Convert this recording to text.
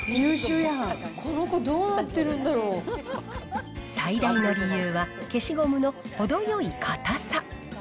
この子、どうなってるんだろ最大の理由は、消しゴムの程よい硬さ。